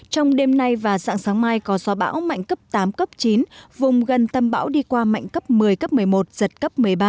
trong đêm nay và sáng sáng mai có gió bão mạnh cấp tám cấp chín vùng gần tâm bão đi qua mạnh cấp một mươi cấp một mươi một giật cấp một mươi ba